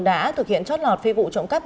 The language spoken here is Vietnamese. đã thực hiện chót lọt phi vụ trộm cắp